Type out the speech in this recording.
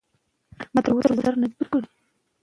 د شپې ناوخته خورا د بدن غړي ګډوډوي.